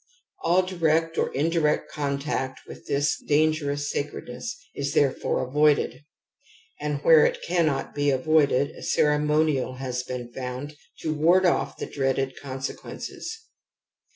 All direct or indirect con tact with this dan gerous sacredness i s therefore avoided, and where it cannot be avoided a cere monial has been found to ward off the dreaded consequences.